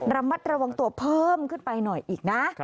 ระมัดระวังตัวเพิ่มขึ้นไปหน่อยอีกนะ